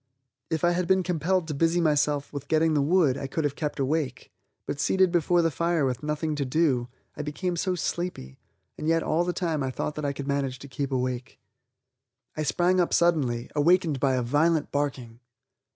If I had been compelled to busy myself with getting the wood, I could have kept awake, but seated before the fire with nothing to do, I became so sleepy, and yet all the time I thought that I could manage to keep awake. I sprang up suddenly, awakened by a violent barking!